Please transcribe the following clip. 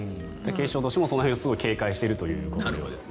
警視庁としてもその辺を警戒しているということです。